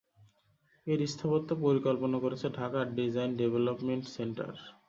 এর স্থাপত্য পরিকল্পনা করেছে ঢাকার ডিজাইন ডেভেলপমেন্ট সেন্টার।